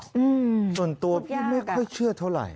อืมส่วนตัวพี่ไม่ค่อยเชื่อเท่าไหร่